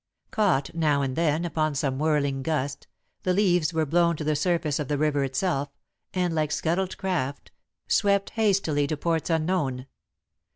Caught, now and then, upon some whirling gust, the leaves were blown to the surface of the river itself, and, like scuttled craft, swept hastily to ports unknown.